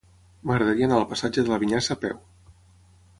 M'agradaria anar al passatge de la Vinyassa a peu.